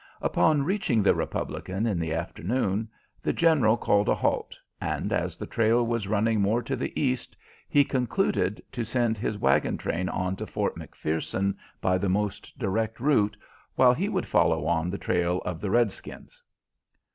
Upon reaching the Republican in the afternoon the General called a halt, and as the trail was running more to the east, he concluded to send his wagon train on to Fort McPherson by the most direct route, while he would follow on the trail of the redskins.